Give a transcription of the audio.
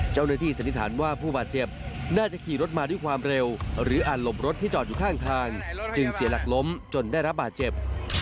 สันนิษฐานว่าผู้บาดเจ็บน่าจะขี่รถมาด้วยความเร็วหรืออาจหลบรถที่จอดอยู่ข้างทางจึงเสียหลักล้มจนได้รับบาดเจ็บ